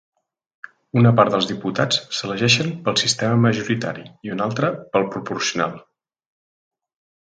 Una part dels diputats s’elegeixen pel sistema majoritari i una altra pel proporcional.